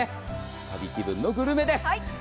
旅気分のグルメです。